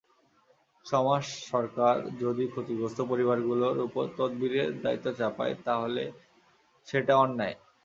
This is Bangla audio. সমাজ, সরকার যদি ক্ষতিগ্রস্ত পরিবারগুলোর ওপর তদবিরের দায়িত্ব চাপায়, তাহলে সেটা অন্যায়।